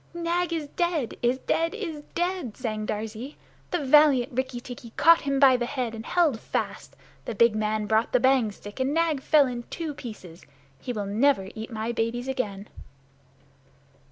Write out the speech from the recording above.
"Nag is dead is dead is dead!" sang Darzee. "The valiant Rikki tikki caught him by the head and held fast. The big man brought the bang stick, and Nag fell in two pieces! He will never eat my babies again."